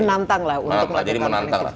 menantang lah untuk melakukan